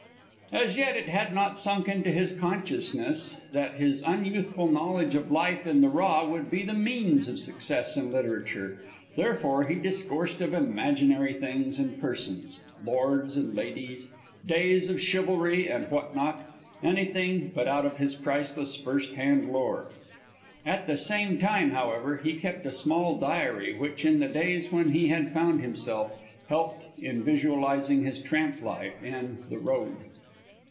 As yet it had not sunk into his consciousness that his unyouthful knowledge of life in the raw would be the means of success in literature; therefore he discoursed of imaginary things and persons, lords and ladies, days of chivalry and what not anything but out of his priceless first hand lore. At the same time, however, he kept a small diary which, in the days when he had found himself, helped in visualizing his tramp life, in "The Road."